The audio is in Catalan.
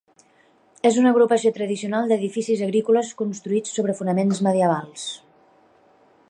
És una agrupació tradicional d'edificis agrícoles construïts sobre fonaments medievals.